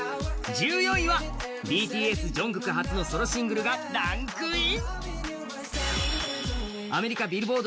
１４位はＢＴＳ・ＪＵＮＧＫＯＯＫ初のソロシングルがランクイン！